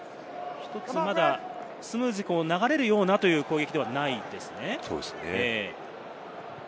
１つまだスムーズに流れるような攻撃ではないというわけですね。